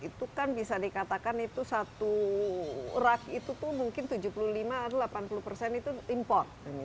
itu kan bisa dikatakan itu satu rak itu pun mungkin tujuh puluh lima atau delapan puluh persen itu import